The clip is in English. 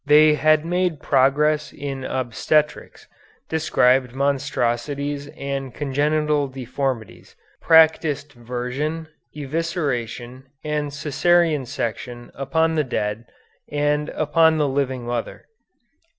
They had made progress in obstetrics; described monstrosities and congenital deformities; practised version, evisceration, and Cæsarian section upon the dead and upon the living mother.